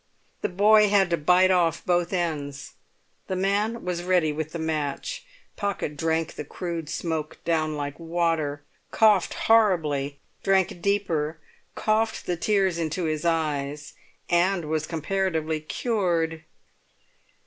The boy had to bite off both ends; the man was ready with the match. Pocket drank the crude smoke down like water, coughed horribly, drank deeper, coughed the tears into his eyes, and was comparatively cured.